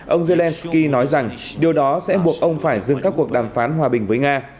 ông zelensky nói rằng điều đó sẽ buộc ông phải dừng các cuộc đàm phán hòa bình với nga